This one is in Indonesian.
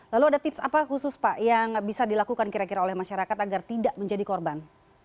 lalu ada tips apa khusus pak yang bisa dilakukan kira kira oleh masyarakat agar tidak menjadi korban